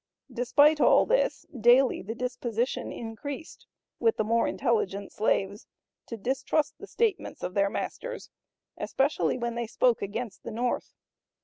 Despite all this, daily the disposition increased, with the more intelligent slaves, to distrust the statements of their masters especially when they spoke against the North.